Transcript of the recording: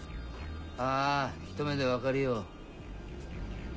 ああひと目で分かるよ。